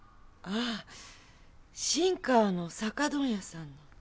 ああ新川の酒問屋さんの。